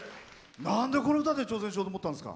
なんで、この歌で挑戦しようと思ったんですか？